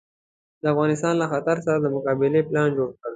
د افغانانو له خطر سره د مقابلې پلان جوړ کړ.